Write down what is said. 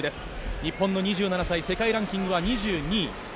日本の２７歳世界ランキングは２２位。